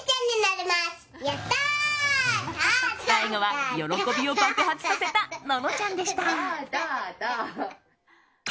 最後は喜びを爆発させたののちゃんでした。